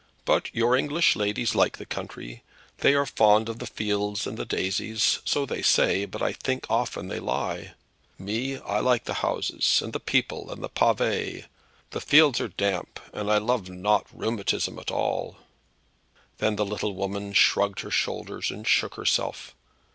But your English ladies like the country. They are fond of the fields and the daisies. So they say; but I think often they lie. Me; I like the houses, and the people, and the pavé. The fields are damp, and I love not rheumatism at all." Then the little woman shrugged her shoulders and shook herself.